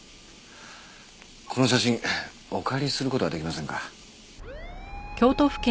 この写真お借りする事は出来ませんか？